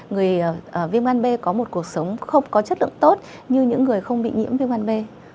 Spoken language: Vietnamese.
người viêm gan b có một cuộc sống không có chất lượng tốt như những người không bị nhiễm viêm gan b